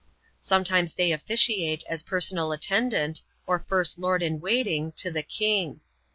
Sometimes they officiate as personal attendant, or first knrd in waiting, to the king.